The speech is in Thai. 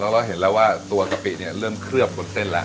เราเห็นแล้วว่าตัวกะปิเนี่ยเริ่มเคลือบบนเส้นแล้ว